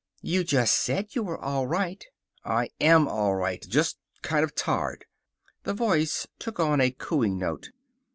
"You just said you were all right." "I AM all right. Just kind of tired." The voice took on a cooing note.